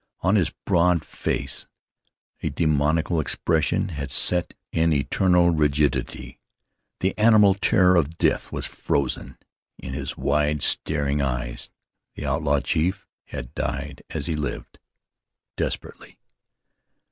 On his broad face a demoniacal expression had set in eternal rigidity; the animal terror of death was frozen in his wide staring eyes. The outlaw chief had died as he had lived, desperately.